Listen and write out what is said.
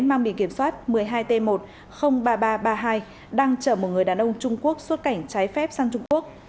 mang biển kiểm soát một mươi hai t một ba nghìn ba trăm ba mươi hai đang chở một người đàn ông trung quốc xuất cảnh trái phép sang trung quốc